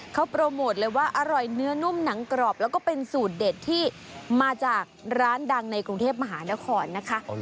เขาโปรโมทเลยว่าอร่อยเนื้อนุ่มหนังกรอบแล้วก็เป็นสูตรเด็ดที่มาจากร้านดังในกรุงเทพมหานครนะคะ